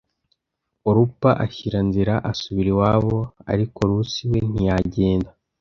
Orupa ashyira nzira asubira iwabo ariko Rusi we ntiyagenda